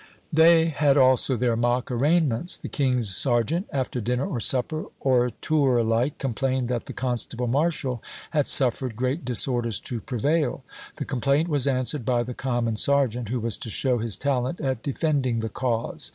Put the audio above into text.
They had also their mock arraignments. The king's serjeant, after dinner or supper, "oratour like," complained that the constable marshal had suffered great disorders to prevail; the complaint was answered by the common serjeant, who was to show his talent at defending the cause.